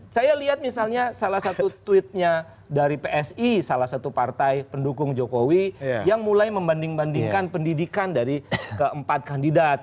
saya lihat misalnya salah satu tweetnya dari psi salah satu partai pendukung jokowi yang mulai membanding bandingkan pendidikan dari keempat kandidat